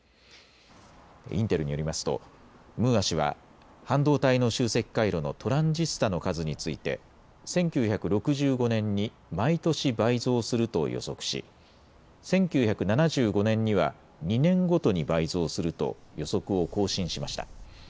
インテルによりますとムーア氏は半導体の集積回路のトランジスタの数について１９６５年に毎年、倍増すると予測し１９７５年には２年ごとに倍増すると予測を更新しました。